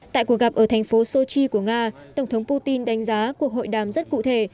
tại cuộc gặp ở thành phố sochi của nga tổng thống putin đánh giá cuộc hội đàm rất cụ thể